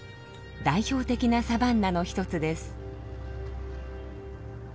代表的なサバンナの一つです。